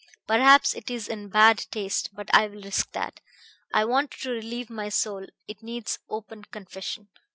Perhaps it is in bad taste, but I will risk that I want to relieve my soul, it needs open confession.